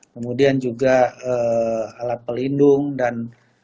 kemudian juga alat pelindung dan